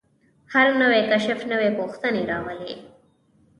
هر نوی کشف نوې پوښتنې راولي.